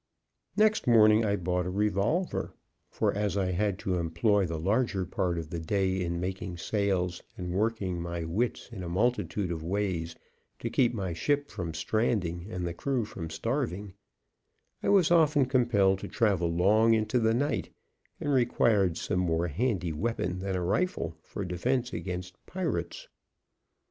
Next morning I bought a revolver, for, as I had to employ the larger part of the day in making sales and working my wits in a multitude of ways to keep my ship from stranding and the crew from starving, I was often compelled to travel long into the night and required some more handy weapon than a rifle for defence against pirates.